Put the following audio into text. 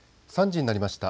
３時になりました。